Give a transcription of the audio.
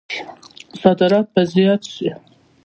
صادرات به زیات شي؟